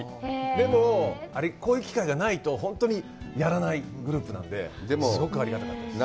でも、こういう機会がないと本当にやらないグループなんで、すごくありがたかったです。